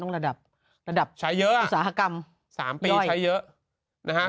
ต้องระดับระดับอุตสาหกรรมใช้เยอะสามปีใช้เยอะนะฮะ